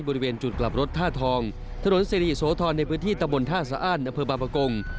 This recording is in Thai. บริเวณจุดกลับรถท่าทองถนนสิริโสธรในพื้นที่ตะบนท่าสะอ้านอำเภอบางประกง